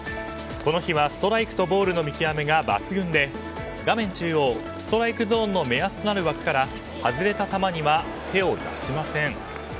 この日はストライクとボールの見極めが抜群で画面中央、ストライクゾーンの目安となる枠から外れた球には手を出しません。